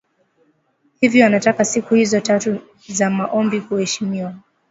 Hivyo anataka siku hizo tatu za maombi kuheshimiwa